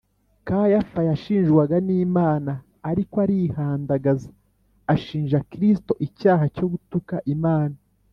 kayafa yashinjwaga n’imana, ariko arihandagaza ashinja kristo icyaha cyo gutuka imana